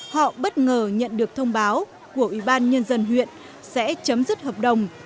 họ bất ngờ nhận được thông báo của ủy ban nhân dân huyện sẽ chấm dứt hợp đồng